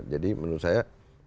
jadi menurut saya